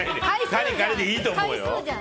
カリカリでいいと思うよ。